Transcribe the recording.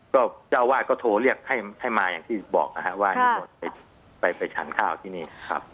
ก็เจ้าวาดก็โทรเรียกให้มาอย่างที่บอกนะฮะว่าในบทไปฉันข้าวที่นี่ครับ